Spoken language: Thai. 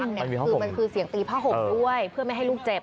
คือมันคือเสียงตีผ้าห่มด้วยเพื่อไม่ให้ลูกเจ็บ